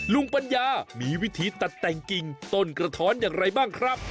ปัญญามีวิธีตัดแต่งกิ่งต้นกระท้อนอย่างไรบ้างครับ